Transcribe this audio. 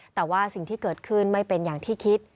แต่ว่าสิ่งที่เกิดขึ้นไม่เป็นอย่างที่คิด